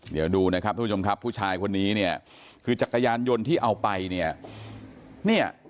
เดี๋ยวดูนะครับทุกผู้ชายคนนี้คือจักรยานยนต์ที่เอาไป